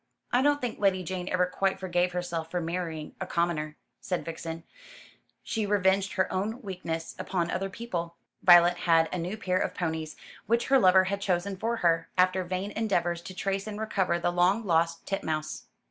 "I don't think Lady Jane ever quite forgave herself for marrying a commoner," said Vixen. "She revenged her own weakness upon other people." Violet had a new pair of ponies, which her lover had chosen for her, after vain endeavours to trace and recover the long lost Titmouse.